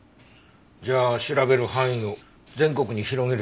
じゃあ調べる範囲を全国に広げるしかないね。